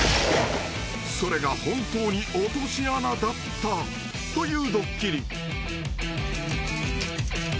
［それが本当に落とし穴だったというドッキリ］